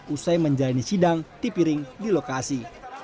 usai menjalani sidang di piring di lokasi